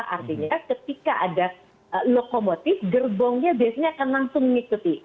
artinya ketika ada lokomotif gerbongnya biasanya akan langsung mengikuti